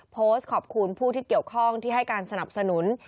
โพสต์ขอบคุณผู้ที่เกี่ยวข้องที่ให้การสนับสนุน